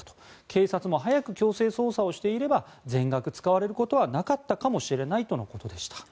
警察も早く強制捜査をしていれば全額使われることはなかったかもしれないとのことでした。